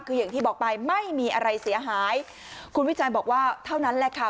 คืออย่างที่บอกไปไม่มีอะไรเสียหายคุณวิจัยบอกว่าเท่านั้นแหละค่ะ